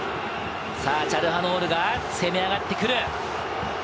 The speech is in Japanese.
チャルハノールが攻め上がってくる！